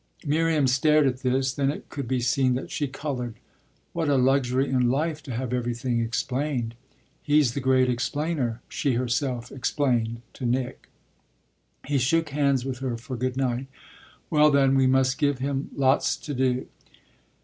Miriam stared at this; then it could be seen that she coloured. "What a luxury in life to have everything explained! He's the great explainer," she herself explained to Nick. He shook hands with her for good night. "Well then, we must give him lots to do."